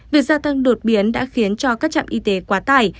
việc gia tăng đột biến đã khiến cho các trạm y tế quá tải